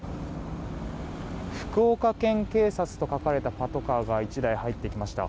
福岡県警察と書かれたパトカーが１台、入ってきました。